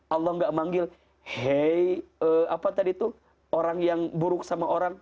allah nggak manggil hei orang yang buruk sama orang